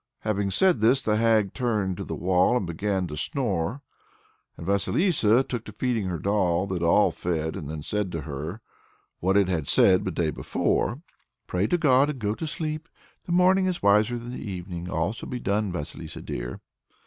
Having said this, the hag turned to the wall and began to snore, and Vasilissa took to feeding her doll. The doll fed, and then said to her what it had said the day before: "Pray to God, and go to sleep. The morning is wiser than the evening. All shall be done, Vasilissa dear!"